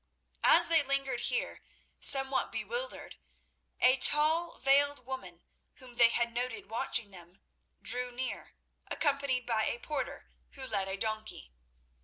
As they lingered here, somewhat bewildered, a tall, veiled woman whom they had noted watching them, drew near, accompanied by a porter, who led a donkey.